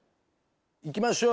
いきましょう！